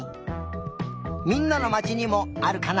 みんなのまちにもあるかな？